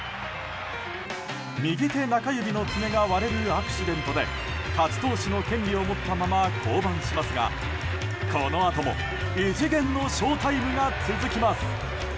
右手中指の爪が割れるアクシデントで勝ち投手の権利を持ったまま降板しますがこのあとも異次元のショータイムが続きます。